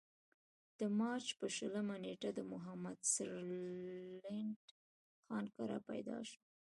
د مارچ پۀ شلمه نېټه د محمد سربلند خان کره پېدا شو ۔